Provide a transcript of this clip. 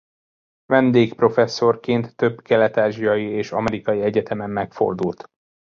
Vendégprofesszorként több kelet-ázsiai és amerikai egyetem megfordult.